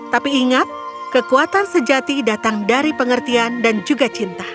tapi ingat kekuatan sejati datang dari pengertian dan juga cinta